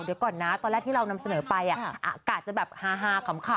เดี๋ยวก่อนนะตอนแรกที่เรานำเสนอไปอากาศจะแบบฮาขำ